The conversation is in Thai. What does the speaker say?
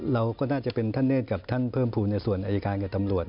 เราก็น่าจะเป็นท่านเนธกับท่านเพิ่มภูมิในส่วนอายการกับตำรวจ